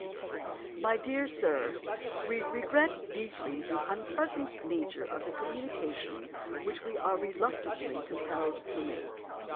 "'MY DEAR SIR,—We regret deeply the unpleasant nature of the communication which we are reluctantly compelled to make.